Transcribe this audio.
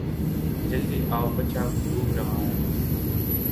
جلدی آو؛ بچہ ڈوب رہا ہے